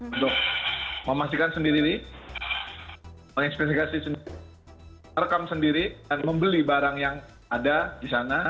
untuk memastikan sendiri menginvestigasi sendiri merekam sendiri dan membeli barang yang ada di sana